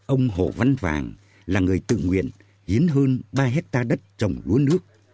ông hồ văn vàng là người tự nguyện hiến hơn ba hectare đất trồng lúa nước